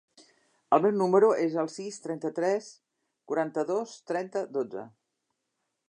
El meu número es el sis, trenta-tres, quaranta-dos, trenta, dotze.